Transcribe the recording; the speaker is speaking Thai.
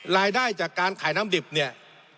รายได้จากการขายน้ำดิบเนี่ย